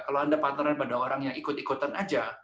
kalau anda partneran pada orang yang ikut ikutan saja